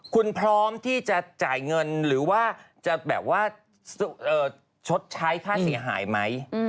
คุณพร้อมที่จะจ่ายเงินหรือว่าจะแบบว่าชดใช้ค่าเสียหายไหม